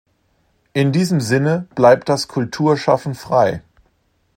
In diesem Sinne bleibt das Kulturschaffen frei.